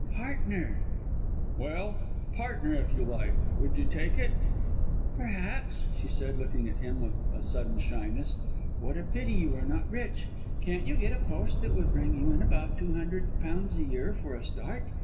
"Partner!" "Well, partner, if you like. Would you take it?" "Perhaps!" she said, looking at him with a sudden shyness. "What a pity you are not rich. Can't you get a post that would bring you in about £200 a year for a start?